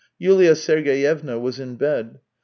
Yulia Sergeyevna was in bed.